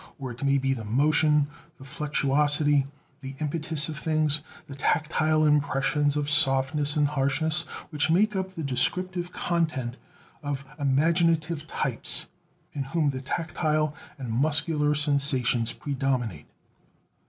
Or it may be the motion, the flexuosity, the impetus of things; the tactile impressions of softness and harshness, which make up the descriptive content of imaginative types in whom the tactile and muscular sensations predominate.